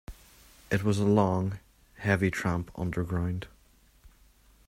It was a long, heavy tramp underground.